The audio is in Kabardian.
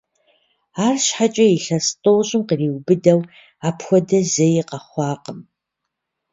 Арщхьэкӏэ илъэс тӏощӏым къриубыдэу апхуэдэ зэи къэхъуакъым.